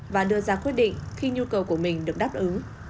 và đưa ra quyết định khi nhu cầu của mình được đáp ứng